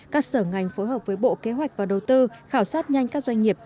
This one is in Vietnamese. các sở ngành phối hợp với bộ kế hoạch và đầu tư khảo sát nhanh các doanh nghiệp